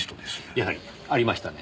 やはりありましたね。